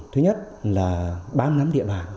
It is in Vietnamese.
thứ nhất là bám nắm địa bàn